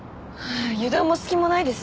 油断も隙もないですね